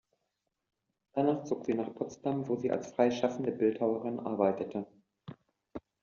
Danach zog sie nach Potsdam, wo sie als freischaffende Bildhauerin arbeitete.